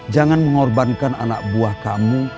jangan mengorbankan anak buah kamu